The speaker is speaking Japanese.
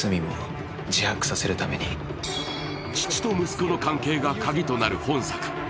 父と息子の関係がカギとなる本作。